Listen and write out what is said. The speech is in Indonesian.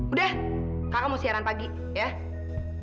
udah kamu mau siaran pagi ya